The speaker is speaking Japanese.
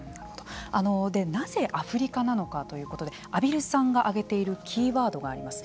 なぜアフリカなのかということで畔蒜さんが挙げているキーワードがあります。